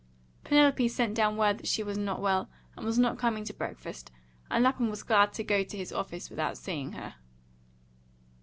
Penelope sent down word that she was not well, and was not coming to breakfast, and Lapham was glad to go to his office without seeing her.